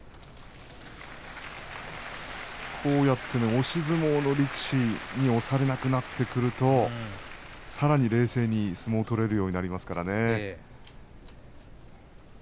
押し相撲の力士に押されなくなってくるとさらに冷静に相撲が取れるようになりますからね。